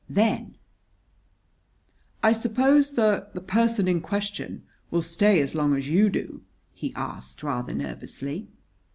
Then: "I suppose the the person in question will stay as long as you do?" he asked, rather nervously.